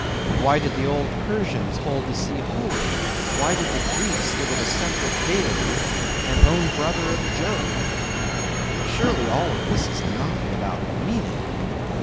Why did the old Persians hold the sea holy? Why did the Greeks give it a separate deity, and own brother of Jove? Surely all this is not without meaning.